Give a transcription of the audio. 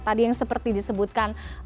tadi yang seperti disebutkan